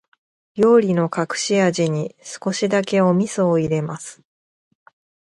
料理の隠し味に、少しだけお味噌を入れます。